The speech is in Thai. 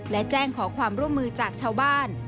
และแจ้งขอความร่วมมือจากชาวบ้าน